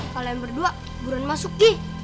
kalian berdua buruan masuk deh